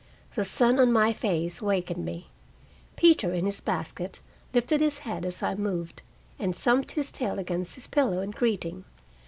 The sun on my face wakened me. Peter, in his basket, lifted his head as I moved, and thumped his tail against his pillow in greeting.